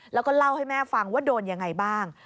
แล้วก็เล่าให้แม่ฟังว่าโดนยังไงบ้าง